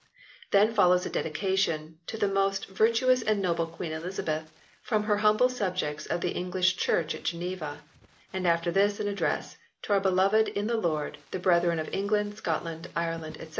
Then follows a Dedication "to the moste vertuous and noble Quene Elizabeth" from her "humble subjects of the English Churche at Geneva "; and after this an Address " to our Beloved in the Lord, the Brethren of England, Scotland, Ireland etc.